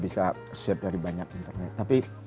bisa share dari banyak internet tapi